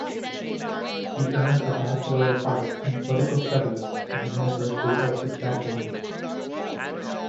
He earned a Bachelor of Arts in political studies from the University of Saskatchewan.